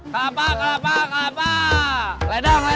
senyumnya juga kenapa ke